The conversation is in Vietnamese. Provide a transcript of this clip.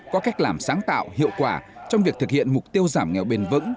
có cách làm sáng tạo hiệu quả trong việc thực hiện mục tiêu giảm nghèo bền vững